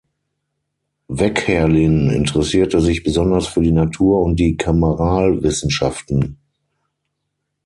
Weckherlin interessierte sich besonders für die Natur- und die Kameralwissenschaften.